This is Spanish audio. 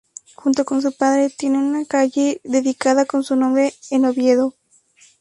Junto con su padre, tiene una calle dedicada con su nombre en Oviedo.